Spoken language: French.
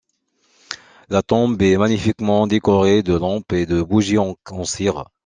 La tombe est magnifiquement décorée de lampes et de bougies en cire.